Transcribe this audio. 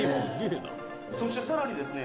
「そして更にですね